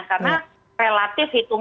karena relatif itu